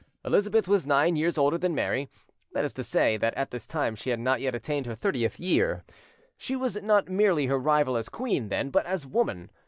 Elizabeth was nine years older than Mary—that is to say, that at this time she had not yet attained her thirtieth year; she was not merely her rival as queen, then, but as woman.